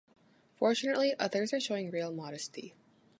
Fortunately, others are showing real modesty.